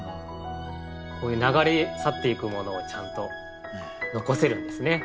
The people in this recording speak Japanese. こういう流れ去っていくものをちゃんと残せるんですね。